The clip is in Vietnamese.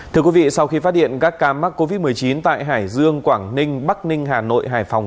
thưa quý vị sau khi phát hiện các ca mắc covid một mươi chín tại hải dương quảng ninh bắc ninh hà nội hải phòng